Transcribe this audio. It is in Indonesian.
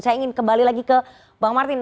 saya ingin kembali lagi ke bang martin